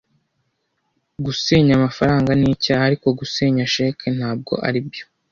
Gusenya amafaranga nicyaha, ariko gusenya cheque ntabwo aribyo.